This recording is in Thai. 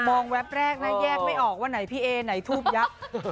มองแวบแรกนะแยกไม่ออกว่าไหนพี่เอไหนทูบยักษ์